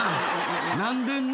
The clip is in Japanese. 「何でんな」？